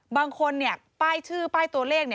ป้ายชื่อป้ายตัวเลข